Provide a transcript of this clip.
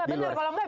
itu gak benar